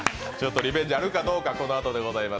リベンジあるかどうか、このあとでございます。